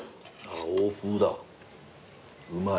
欧風だうまい。